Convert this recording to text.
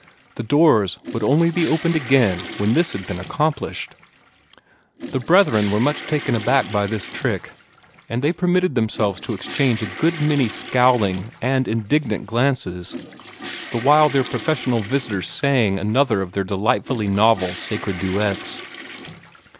The doors would only be opened again when this had been accomplished. The brethren were much taken aback by this trick, and they permitted themselves to exchange a good many scowling and indignant glances, the while their professional visitors sang another of their delightfully novel sacred duets.